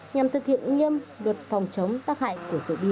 nhằm thực hiện nghiêm luật phòng chống tác hại của rượu bia